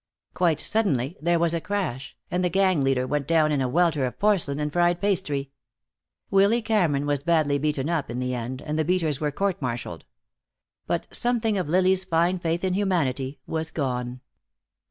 Quite suddenly there was a crash, and the gang leader went down in a welter of porcelain and fried pastry. Willy Cameron was badly beaten up, in the end, and the beaters were court martialed. But something of Lily's fine faith in humanity was gone.